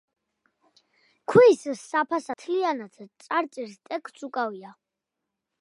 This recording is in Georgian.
ქვის საფასადო წახნაგი მთლიანად წარწერის ტექსტს უკავია.